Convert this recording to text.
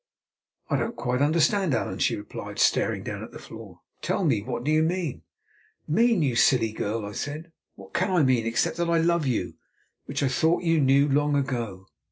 "I don't quite understand, Allan," she replied, staring down at the floor. "Tell me, what do you mean?" "Mean, you silly girl," I said; "what can I mean, except that I love you, which I thought you knew long ago."